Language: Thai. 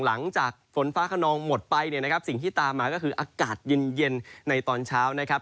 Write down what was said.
หลังจากฝนฟ้าขนองหมดไปเนี่ยนะครับสิ่งที่ตามมาก็คืออากาศเย็นในตอนเช้านะครับ